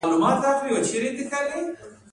دا د پښتنو هویت دی.